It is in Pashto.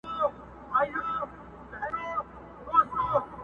د هغه وخت يو مشهور سړی عبدالغفور وياند